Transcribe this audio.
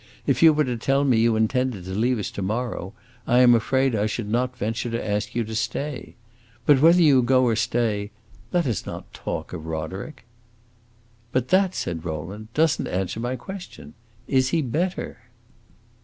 If you were to tell me you intended to leave us to morrow, I am afraid that I should not venture to ask you to stay. But whether you go or stay, let us not talk of Roderick!" "But that," said Rowland, "does n't answer my question. Is he better?"